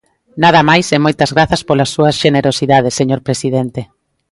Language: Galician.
Nada máis e moitas grazas pola súa xenerosidade, señor presidente.